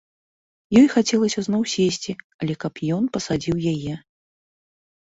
Ёй хацелася зноў сесці, але каб ён пасадзіў яе.